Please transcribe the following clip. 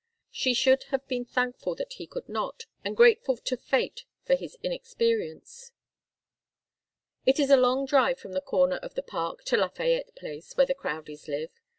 She should have been thankful that he could not, and grateful to fate for his inexperience. It is a long drive from the corner of the Park to Lafayette Place, where the Crowdies lived.